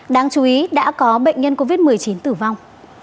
đáng chú ý đã có bệnh nhân covid một mươi chín tử vong